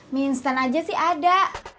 minstan aja sih ada